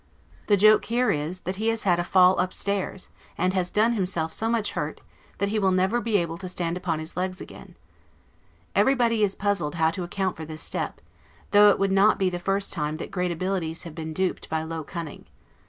The joke here is, that he has had A FALL UP STAIRS, and has done himself so much hurt, that he will never be able to stand upon his leg's again. Everybody is puzzled how to account for this step; though it would not be the first time that great abilities have been duped by low cunning.